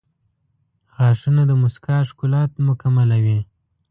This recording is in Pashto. • غاښونه د مسکا ښکلا مکملوي.